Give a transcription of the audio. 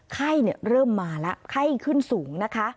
ไข้เริ่มมาแล้วไข้ขึ้นสูงนะคะ